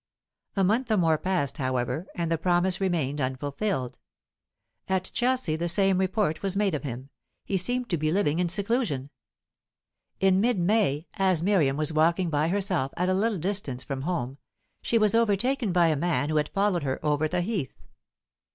A month or more passed, however, and the promise remained unfulfilled. At Chelsea the same report was made of him; he seemed to be living in seclusion. In mid May, as Miriam was walking by herself at a little distance from home, she was overtaken by a man who had followed her over the heath.